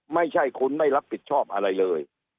ไม่ใช่คุณไม่รับผิดชอบอะไรเลย